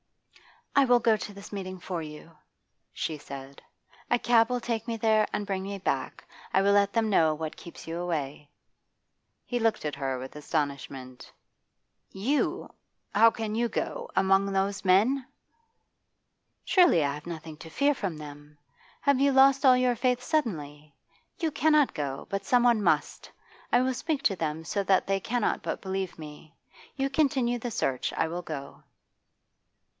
'I will go to this meeting for you,' she said. 'A cab will take me there and bring me back. I will let them know what keeps you away.' He looked at her with astonishment. 'You! How can you go? Among those men?' 'Surely I have nothing to fear from them? Have you lost all your faith suddenly? You cannot go, but someone must. I will speak to them so that they cannot but believe me. You continue the search; I will go.